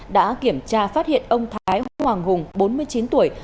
đã kiểm tra phát hiện ông thái hoàng hùng bốn mươi chín tuổi